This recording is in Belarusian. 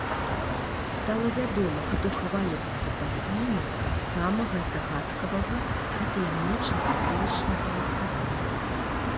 Стала вядома, хто хаваецца пад імем самага загадкавага і таямнічага вулічнага мастака.